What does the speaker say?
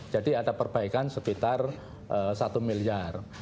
jadi ada perbaikan sekitar satu miliar